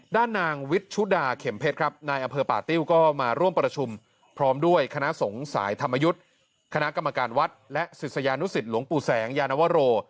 ด้านนางวิชชุดาเข็มเพชรครับนายอำเภอป่าติ้วก็มาร่วมประชุมพร้อมด้วยคณะสงฆ์สายธรรมยุทธ์คณะกรรมการวัดและศิษยานุสิตหลวงปู่แสงยานวโร